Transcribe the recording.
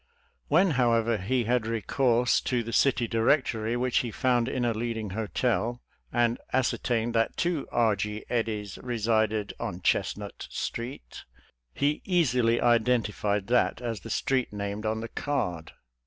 When, however^ he had recourse to the Oity Di^ rectory which: he fdund in a leading hotel, and ascertained! ' that two • E. G. Eddys resided on Chestnut i street, he easily identified tha,t as the street • named on: the ■ card.